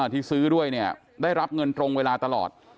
ที่ซื้อด้วยเนี่ยได้รับเงินตรงเวลาตลอด